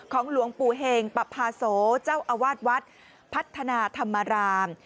ของหลวงปู่เหงปภาโสเจ้าอวาดวัดพัฒนาธรรมาราม